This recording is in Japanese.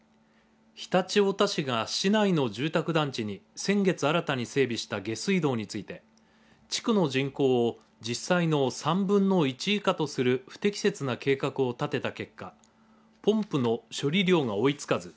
常陸太田市が市内の住宅団地に先月新たに整備した下水道について地区の人口を実際の３分の１以下とする不適切な計画を立てた結果ポンプの処理量が追いつかず。